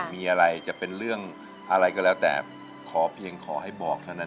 มีอะไรจะเป็นเรื่องอะไรก็แล้วแต่ขอเพียงขอให้บอกเท่านั้น